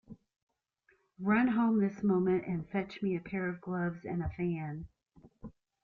Run home this moment, and fetch me a pair of gloves and a fan!